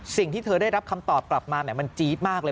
สิ่งที่เธอได้รับคำตอบกลับมามันจี๊ดมากเลย